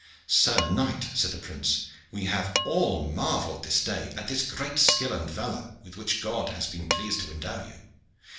"Sir knight," said the prince, "we have all marvelled this day at this great skill and valor with which God has been pleased to endow you.